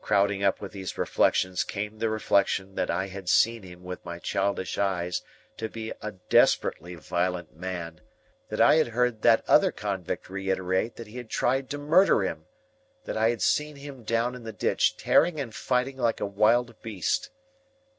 Crowding up with these reflections came the reflection that I had seen him with my childish eyes to be a desperately violent man; that I had heard that other convict reiterate that he had tried to murder him; that I had seen him down in the ditch tearing and fighting like a wild beast.